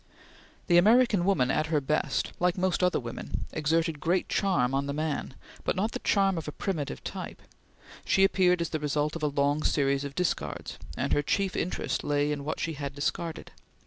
The American woman at her best like most other women exerted great charm on the man, but not the charm of a primitive type. She appeared as the result of a long series of discards, and her chief interest lay in what she had discarded.